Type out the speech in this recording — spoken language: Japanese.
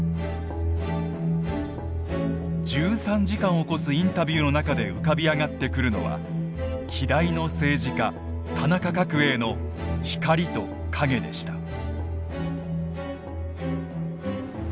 １３時間を超すインタビューの中で浮かび上がってくるのは希代の政治家田中角栄の光と影でした。